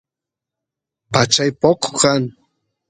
pachay poco kan